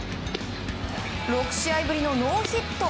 ６試合ぶりのノーヒット。